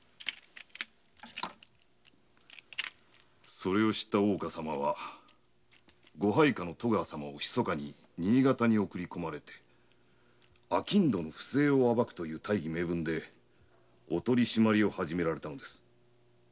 それを知った大岡様はご配下の戸川様を密かに新潟に送り込み商人の不正を暴くという大義名分で取締りを始めました。